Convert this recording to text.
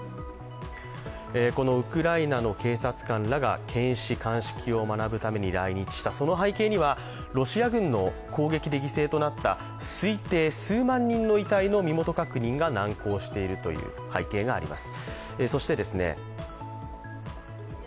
このウクライナの警察官らが検視・鑑識を学ぶために来日したその背景には、ロシア軍の攻撃で犠牲となった推定数万人の遺体の身元確認が難航しているという背景があります。